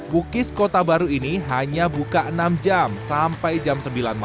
bukis kota baru ini hanya buka enam jam sampai jam sembilan malam